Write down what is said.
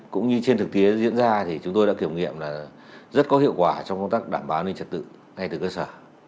cũng như trên thực tế diễn ra thì chúng tôi đã kiểm nghiệm là rất có hiệu quả trong công tác đảm bảo an ninh trật tự ngay từ cơ sở